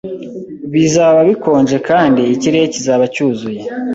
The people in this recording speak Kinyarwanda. Bizaba bikonje kandi ikirere kizaba cyuzuye.